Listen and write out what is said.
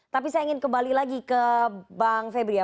tapi saya ingin kembali lagi ke bang febri ya